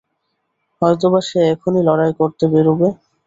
হয়তো-বা সে এখনই লড়াই করতে বেরোবে।